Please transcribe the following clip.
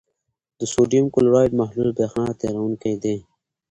د سوډیم کلورایډ محلول برېښنا تیروونکی دی.